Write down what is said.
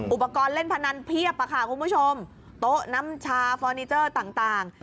อุปกรณ์เล่นพนันเพียบอะค่ะคุณผู้ชมโต๊ะน้ำชาฟอร์นิเจอร์ต่าง